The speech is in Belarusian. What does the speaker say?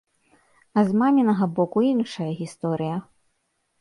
А з мамінага боку іншая гісторыя.